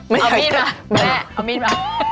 เอามีดมาแม่เอามีดมา